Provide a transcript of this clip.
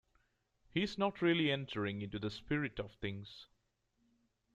He's not really entering into the spirit of things.